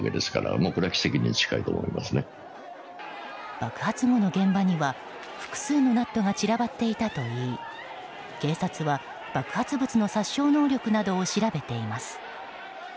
爆発後の現場には、複数のナットが散らばっていたといい警察は爆発物の殺傷能力などを調べています。